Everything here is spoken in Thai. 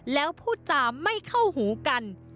แล้วพูดจาไม่เข้าหูกัน